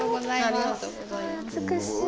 すごい美しい。